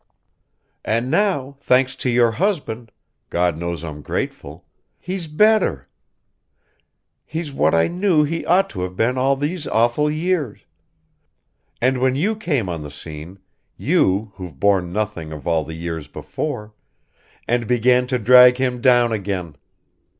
"And now, thanks to your husband God knows I'm grateful! he's better. He's what I knew he ought to have been all these awful years. And then you come on the scene you, who've borne nothing of all the years before and begin to drag him down again.